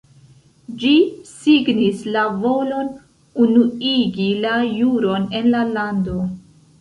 Ĝi signis la volon unuigi la juron en la lando.